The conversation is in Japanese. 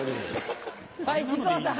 はい木久扇さん。